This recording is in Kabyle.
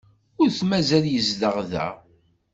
Ur t-mazal yezdeɣ da.